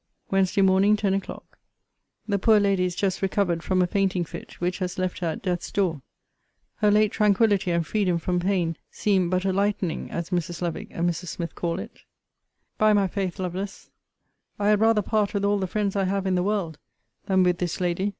WEDNESDAY MORNING, TEN O'CLOCK. The poor lady is just recovered from a fainting fit, which has left her at death's door. Her late tranquillity and freedom from pain seemed but a lightening, as Mrs. Lovick and Mrs. Smith call it. By my faith, Lovelace, I had rather part with all the friends I have in the world, than with this lady.